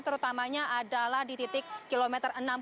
terutamanya adalah di titik km enam puluh lima